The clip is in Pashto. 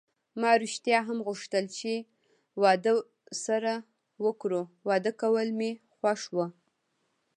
ما ریښتیا هم غوښتل چې واده سره وکړو، واده کول مې خوښ و.